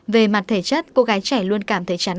về mặt thể chất cô gái trẻ luôn cảm thấy chán nản